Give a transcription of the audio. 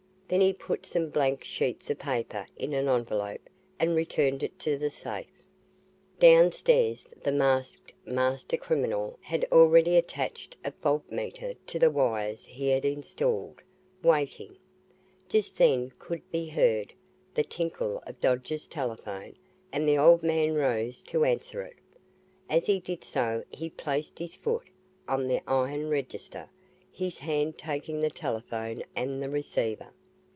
Then he put some blank sheets of paper in an envelope and returned it to the safe. Downstairs the masked master criminal had already attached a voltmeter to the wires he had installed, waiting. Just then could be heard the tinkle of Dodge's telephone and the old man rose to answer it. As he did so he placed his foot on the iron register, his hand taking the telephone and the receiver.